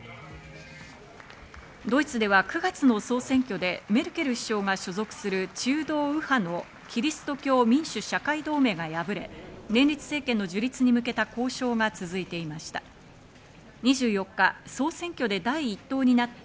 ドイツでは９月の総選挙でメルケル首相が所属する中道右派のキリスト教民主・社会同盟が敗れ、連立政権の樹立に向けた交渉が続いていました。